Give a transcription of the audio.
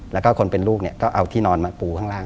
แล้วก็คนเป็นลูกเนี่ยก็เอาที่นอนมาปูข้างล่าง